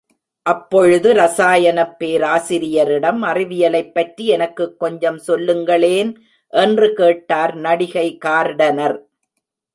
அப்பொழுது ரசாயனப் பேராசிரியரிடம், அறிவியலைப் பற்றி எனக்குக் கொஞ்சம் சொல்லுங்களேன் என்று கேட்டார் நடிகை கார்டனர்.